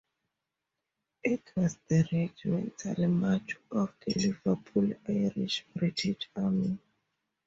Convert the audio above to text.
It was the regimental march of the Liverpool Irish, British Army.